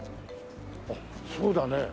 あっそうだね。